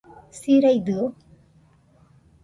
Siraidɨo